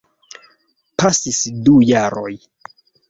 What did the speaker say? Pasis du jaroj.